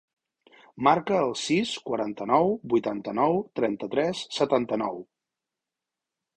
Marca el sis, quaranta-nou, vuitanta-nou, trenta-tres, setanta-nou.